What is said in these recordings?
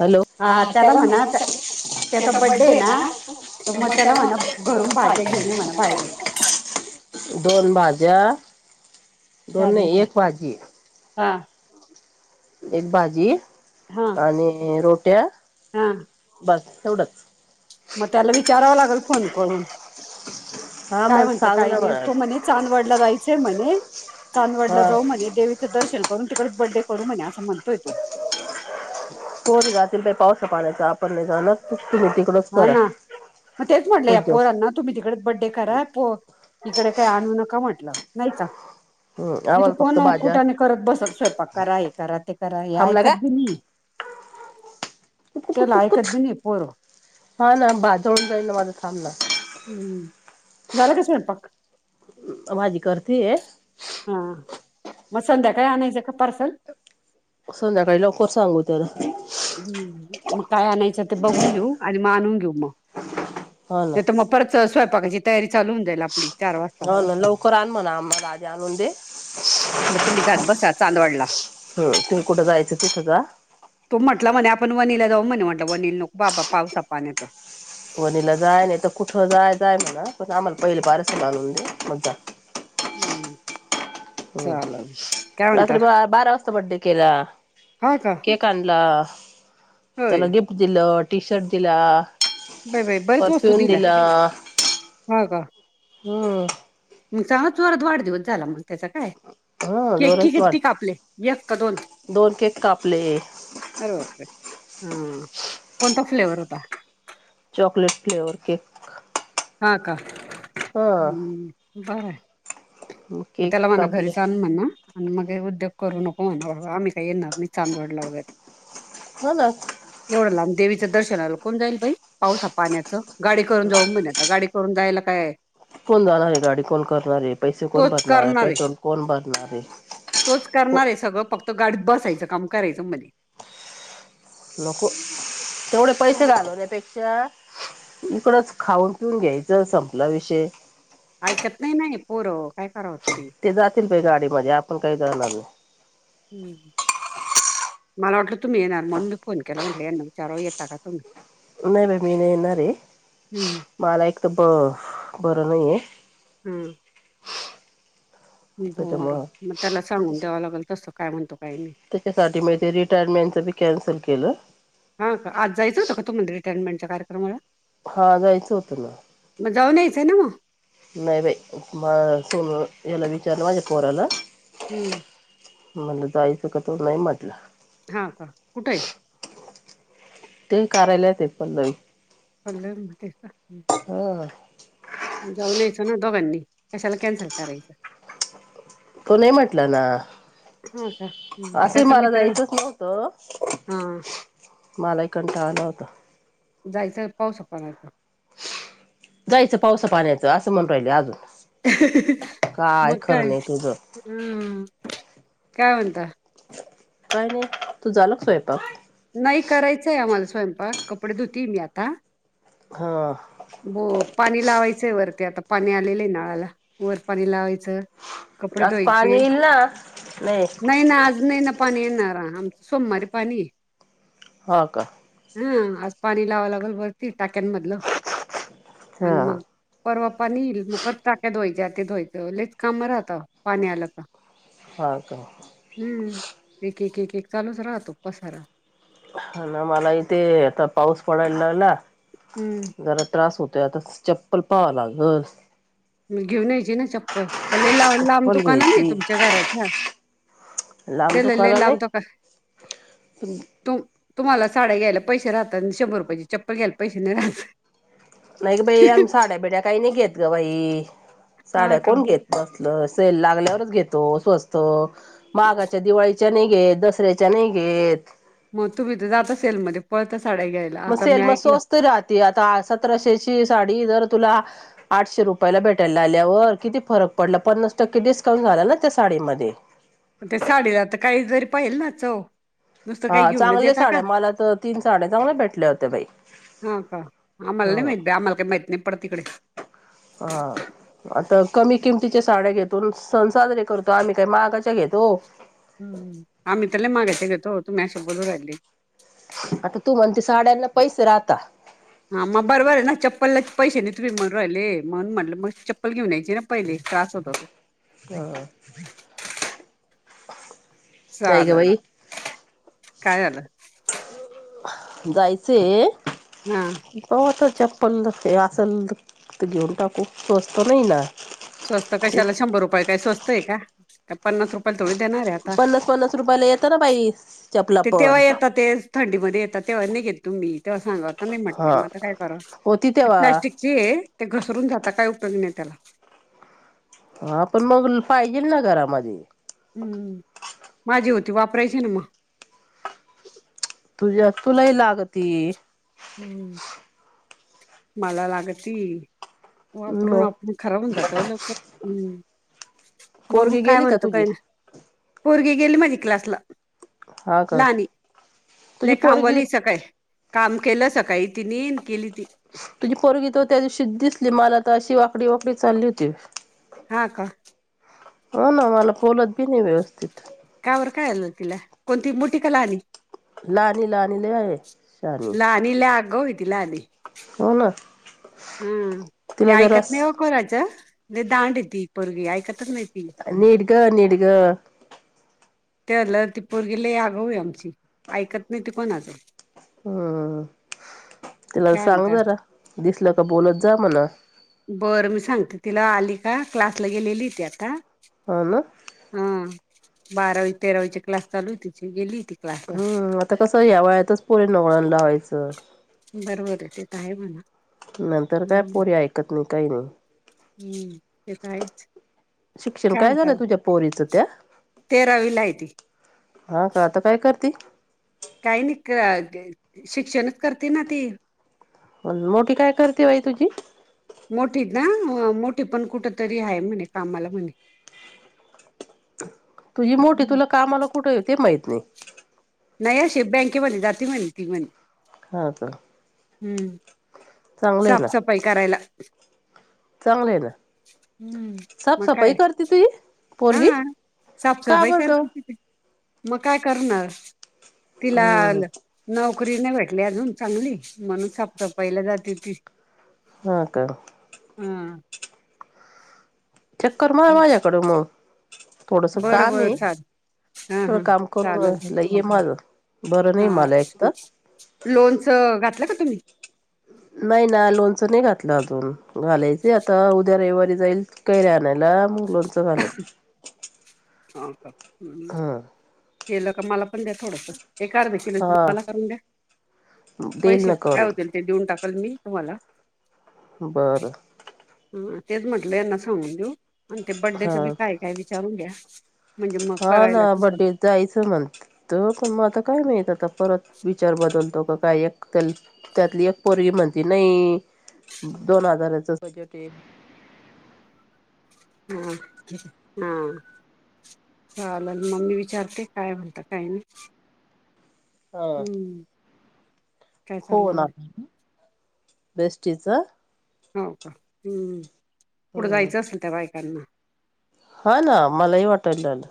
Hello! हा त्याला म्हणाव त्याचा बड्डे आहे बर्थडे ना तर मग हाय त्याला म्हणा घरून भाज्या घेऊन ये म्हणा ना, बाहेरून [unintelligible] दोन भाज्या चहा दोन दे ग नाही एक त्याला भाजी. हा एक भाजी हा आणि रोट्या हा! बस तेवढेच. मग त्याला विचाराव लागेल फोन करून हा काय मग म्हणतो सांग काही ना नाही मला तू म्हणे, चांदवडला जायचंय म्हणे, चांदवडला हा जाऊ म्हणे दे दर्शन करून तिकडेच बर्थडे करू म्हणे असं म्हणतोय तो. कोर जातील पावसा पाण्याचा आपण नाही जाण. हा ना म तेच म्हणले या उद्योग पोरन. तुम्ही तिकडेच बड्डे करा प इकडे काही आणू नका म्हटलं. नाही का! हम्म तिथं आम्हाला कोण फक्त वो भाज्या कुठाने करत बसत स्वयंपाक करा हे करा ते करा हे थांबला का ऐकत बी नाही. त्याला ऐकत बी नाही पोर. हा ना बाजवून जाईल [unintelligible] हम्म्म झाला का स्वयंपाक? माजी करते ये. हां मग संध्याकाळी आणायचं का [unintelligible] संध्याकाळी लवकर सांगुद्याच. हं मग काय आणायचं ते बघून घेऊ आणि मग आणून घेऊ मग हा ना [unintelligible] परत स्वयंपाकाची तयारी चालू होऊन जाईल आपली. चार वाजता. हो ना लवकर आण म्हणा आम्हाला आधी आणून दे. मग तुम्ही जात बसा चांदवडला. [inaudible] हम कुठं जायचं तिथे जा. तो म्हटला, म्हणे आपण वनीला जाऊ म्हणे म्हटलं वनीला नको बाबा पावसा पाण्याचं. वणीला जाय नाहीतर कुठ जायचय म्हणा पण आम्हाला पहिले पार्सल आणून दे [unintelligible] [inaudible] चालल. काय हम् म्हणता? रात्री ब बारा वाजता बड्डे केला. हो का? केक आणला. होय त्याला गिफ्ट दिलं. टी शर्ट दिला. बाई बाई बरेच वस्तू परफ्युम दिल्या दिला. हा का. हम्म मग चांगलाच जोरात वाढदिवस झाला मंग त्याचा काय? हा केकी जोरात वाढ किती कापले. एक का दोन? दोन केक कापले अरे बापरे हं कोणता फ्लेवर होता? Chocolate flavour. हां का? हा ब [unintelligible] मग केक त्याला म्हणा कापले घरीच आण म्हण. आणि मगे उद्योग करू नको म्हणाव. आम्ही काय येणार नाही चांदवडला वगैरे हो ना. एवढं लांब देवीचं दर्शनाला कोण जाईल बाई पावसा पाण्याचं गाडी करून जाऊ म्हण. गाडी करून जायला काय कोण जाणार आहे गाडी कोण करणारे पैसे कोण तोच भरणार आहे करणार पेट्रोल कोण भधणार तोच करणार आहे सगळं फक्त गाडीत बसायचं काम करायचं मला लक तेवढे पैसे घालवण्यापेक्षा इकडंच खाऊन पिऊन घ्यायचं संपला विषय आऐकत नाही नाही पूर काय खरा होतरी ते जातील प गाडीमध्ये आपण काही करणार नाही हम् मला वाटलं तुम्ही येणार म्हणून मी फोन केला म्हटलं यांना विचारो येता का तुम्ही नाही बाई मी नाही येणारे हम्म मला एक तर ब बरं नाही आहे हम्म बरं त्याच्यामुळं मग त्याला सांगून द्यावां लागेल तसं काय म्हणतो काही नाही त्याच्यासाठी म ते रिटायरमेंटची कॅन्सल केलं हां का आज जायचंतं का तुण रिटयनमेंटच्या कार्यक्रमाला हा जायचं होतं ना मग जाऊनहीचं आहे ना मग नाही बाई म स याला विचारण माझ्या पोराला हम्म म्हणलं जायचं का? तो नाही म्हटला. हाहा [unintelligible] ते करायला ते पण हा [unintelligible] जाऊन यायचं ना दोघांनी कशाला कॅन्सल करायचं. तो नाही म्हटलं ना होा का असे त्याच मला मित्र जायचंच नव्हतं हा मला एक कंठाव नव्हतं जायचं पाऊसपाडयच जायचं पावस पाण्याचं असं म्हण राहिल अजून काय मकाय खरं नाही तुझं ह काय म्हणता काही नाही तू झाल स्वयंपाक नाही करायचंय आम्हाला स्वयंपाक कपडे धुतेय मी आता हा ब पाणी लावायचंय वर ते आता पाणी आलेलं आहे नळाला वरपाणी लावायचं कपडे आज पाणी धुवायचे येईल ना नाही ना आज नाही ना पाणी येणार आमं सोमवारी पाणी हो का हा आज पाणी लावां लागल वरती टाक्यांमधलं आणि हा मग परवा पाणी येईल मग परत चाक्या धुवायच्या ते धुवायचं ललेच काम राहतं पाणी आलं तर हा का हम्म एक एक एक एक चालूच राहतो पसारा ह ना मला इथे आता पाऊस पडायला लावला हम्म जरा त्रास होतोय आता चप्पल पाहा ना लागल मी घेऊन यायची ना चप्पल हले ला लांब चप्पल दुकान ना घ्यायची तुमच्या घराच्या लांब ते ल दुकान ल लाम तो का नाही [unintelligible] तुम तुम्हाला साड्या घ्यायला पैसे राहतात शंभरुपयाची चप्पल घ्यायला पैसे नाही राहत नाही ग बाई आम्ही साड्या बिड्या काही नाही घेत ग बाई हा साड्या का कोण घेत बसलं सेल लागल्यावरच घेतो स्वस्त माघाच्या दिवाळी चने ग दसरे चने घेत मग तुम्ही तर जाता सेलमध्येध्ये पळता साड्या घ्यायला मग असं मी सेल मग ऐकलं. स्वस्त राहते आता सतराशेची साडी जर तुला आठशे रुपयाला भेटायला आल्यावर किती फरक पडला पन्नास टक्के डिस्काउंट झाला ना त्या साडीमध्ये ते साडीला तर काही जरी पाहिल ना चव नुसतं काही हा घेऊनच चांगले येता का? साड्या मला तर तीन साड्या चांगल्या भेटल्या होत्या बाई हा का आम्हा ह नाही माहित आम्हाला का माहत नाही पडते इकडे हा आता कमी किमतीच्या साड्या घेतून सण साजरे करतो आम्ही काही महागाच्या घेतो आम्ही तर लय मागायचे गेतो तुम्ही सोबतून राहिली आता तू म्हणते साड्यांना पैसे राहता हां मग बरबर आहे ना चप्पलला पैसे नाही तुम्ही म्हणून राहिले म्हण म्हटले मग चप्पल घेऊन यायची ना पहिले त्रास होत होो ह [unintelligible] नाही ग चालल बाई काय आलं जायचंय हा बाच चप्पल हे असल घेऊन टा खूप स्वस्त नाही ना स्वस्त ते कशाला शंभर रुपये काय स्वस्त आहे का पन्नास रुपये थोडी देणार आहे आता पन्नास पन्नास रुपयाला येतं ना बाई चपला ते तेव्हा पण येतात ते थंडी मध्ये येतात तेव्हा नाही घेत तुम्ही तेव्हा सांगा नाही म्हटले हा म काय कर होती ते तेव्हा प्लॅस्टिकचे ते घसरून जात काय उपयोग नाही त्याला हा पण मग पाहिजेल ना घरामध्ये हम्म माझी होती वापरायची ना मग तुझ्या तुलाही लाग त हम्म मला लागती वापरून म वाप खरा होण जात लवकर हम् बघू पोरगी काय गेली का म्हणतो तुझी काही ना पोरगी गेली माझी क्लासला हा का लहणी तुझी लईक पोरगी आबवली सकाळी काम केलं सकाळी तिने केली ती तुझी पोरग तर त्या दिवशी दिसली मला आता अशी वाकडी वाकडी चालली होती हा का हो ना मला बोलत बी नाही व्यवस्थित कावर काय आलं तिला कोणती मोठी कला आणि [unintelligible] लाणी लणीले आहेई सणी [unintelligible] ती लय आगाऊ ती लाली, ना तिला ऐकत जरास नाही को राज दांड येती पगी ऐकतच नाही ती नीड ग नीड ग ते आलं ती पोरगिले आगऊ आमची ऐकत नाही ती कोणाचं हम्म तिला काय सांग म्हणता जरा दिसलं का बोलत जा म्हणा बरं मी सांगते तिला आली का क्लासला गेलेली त आता ह ना हा बारावी तेरावी चे क्लास चालूआहेत ची गेली ती क्लासला हम्म आता कसं या वयातच पोरींना वळण लावायचं [unintelligible] नंतर काय हम्म पोरी ऐकत नाही काही नाही हम्म ते तर आहेच शिक्षण काय झालं तुझ्या पोरीचं त्या? तेरावीला आहे ती हा का आता काय करते काही नाही शिक्षणच करते ना ती मोठी काय करते बाई तुझी? मोठी ना, मोठी पण कुठ तरी आहे म्हणे कामाला म्हणे! [inaudible] तुझी मोठी हम्म. तुला कामाला कुठे आहे ते माहित नाही नाही अे बँके म्हणे जाती म्हणे ती म्हणे हा तर- हम्म साफसफाई करायला चांगले आहे ना! हम्म मग साफसफाई काय करते तुझी पोरगी हा का साफसफाई बर ग करते तिथ मग काय करणार तिला हम्म नोकरी नाही भेटली अजून चांगली म्हणून, साफसफाईला जाते ती हा का? हम् चक्कर मार माझ्याकडे मग थोडस बरं काम बर आहे चालेल हा थोडं हा काम चालेल करून ये माझ बरं नाही मला एक तर लोनचं घातलं का तुम्ही? नाही ना लोणचं नाही घातलं अजून घालायच आता उद्या रविवारी जाईल कैरा नाहीला मग घालल [unintelligible] हम्म केलं का मला पण द्या थोडं. एका अर्धेशी हा नंतम्हाला करून द्या देईल पैसे ना काय करून होतील ते देऊन टाकल मी तुम्हाला. बरं. हा तेच म्हटलं यांना सांगून देऊ आणि ते बड्डेच हा बी काय काय विचारून घ्या म्हणजे मग हा करायला ना तसं बड्डे जायचं म्हण तो पण मग आता काय माहीत आता परत विचार बदलतो का काय? एक त्या त्यातली एक पोरवी म्हणती नाही दोन हजाराच स टे हा हा चाले मम्मी विचारते काय म्हणत काही नाही हा हम्म काय हो चाललं ना अजून? आता बेस्टीच. हो का हम् कुठं हम्म जायचं असल त्या बायकांना हा ना मलाही वाटयला झालं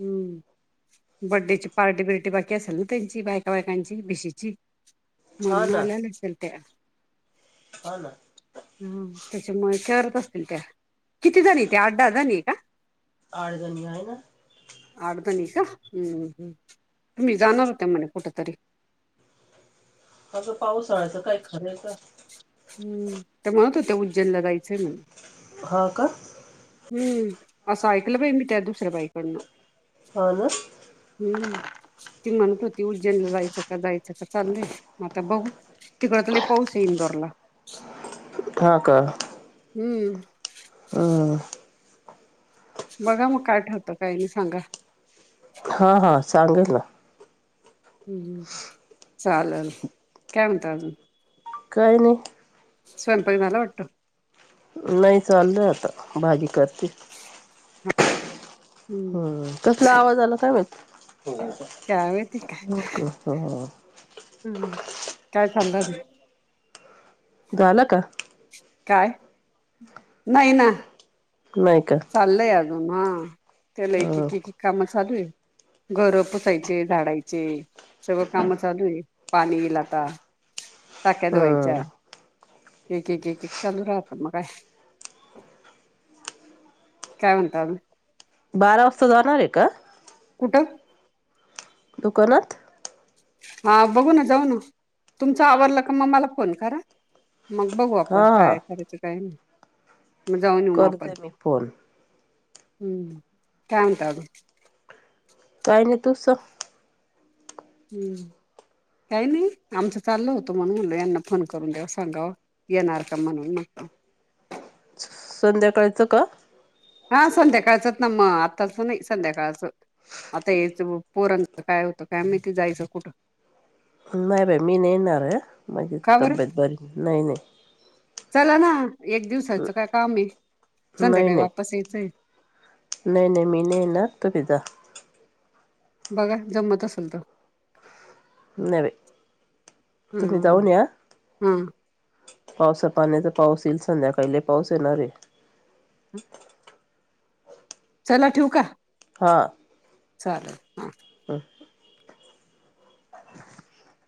हम्म बड्डेची पार्टी बिर्टी बाकी असेल ना त्यांची बायका बायकांची भिशीची हा म्हणून ना आल्या लचल त्या्या हा ना ह त्याच्यामुळे करत असतील त्या किती जणी त्या आठ दहा जाणी का आड जनया आहे ना अडदणी का हम्मम् हम् तुम्ही जाणार होते म्हणे कुठेतरी अगं पावसाळ्याचं काय खरं का हम् ते म्हणत होते उज्जैनला जायचंय म्हणे हा का हम्म असं ऐकलं बाई मी त्या दुसऱ्या बाईकडनं हन हम्म ती म्हणपती उज्जैनला जायचं का जायचं का चाललंय म आता बघू तिकड तले पाऊस आहे इंदोरला हा का हम्म हम बघा मग कायठवतं काय नाही सांगा हा हा सांगेल ना हम्म चालेल केम त काही नाही स्वयंपा दि नला वाटू नाही चाललत भाजी करते ह हम् कसला आवाज आला कावेत काय माहिती हम् काय चाललं गालक काय नाही ना नाही का चाललय अजून हा त्याला एक हम्म काम चालू आहे घरं पुसायचे झाडायचे सगळं काम चालू आहे पाणीलाता टाक्या धुवायच्या हम्म एक एक एक एक चालू राहत म काय काय उणट बारा वाजता जाणार आहे का कुठं दकानात हा बघू ना जाऊ ना तुमच आवरडलं का मग मला फोन करा मग बघू आपण हा काय करायचं काय ना मग जाऊन येऊ मग करते आपण मी फोन हम्म कायत काही नाही तूस हम्म काही नाही आमचं चाललं होतं म्हणून मुल यांना फोन करून द्याव सांगाव येणार का म्हणून मगत संध्याकाळचं का हा संध्याकाळचत नम आतस न संध्याकाळच म य पूरन काय होतं काय आम्ही ते जायचं कुठं नाही बाई मी नाही येणार माझी का बरं तब्येत बरी नाही नाही चला ना एक दिवसाचं काय काम आहे संध्याकाळी वापस यायचंय नाही-नाही मी नाही येणार, तुम्ही जा. बघा जमत असेल तर. नाई बाई ह तुम्ही जाऊन या. हा पावसा पाण्याच, पाऊस येईल संध्याकाळी लई पाऊस येणार रे. हम. चला ठेवू का. हां. चालेल. हा. [inaudible]